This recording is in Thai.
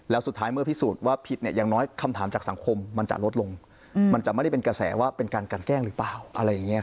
แล้วสุดท้ายเมื่อพิสูจน์ว่าผิดเนี่ยอย่างน้อยคำถามจากสังคมมันจะลดลงมันจะไม่ได้เป็นกระแสว่าเป็นการกันแกล้งหรือเปล่าอะไรอย่างนี้